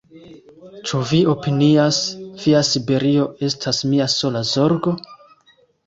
Ĉu vi opinias, via Siberio estas mia sola zorgo?